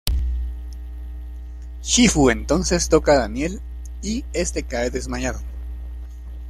Shifu entonces toca a Daniel, y este cae desmayado.